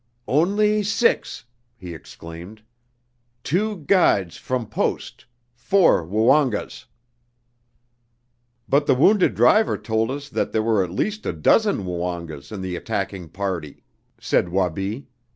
"Only six!" he exclaimed. "Two guides from Post four Woongas!" "But the wounded driver told us that there were at least a dozen Woongas in the attacking party," said Wabi.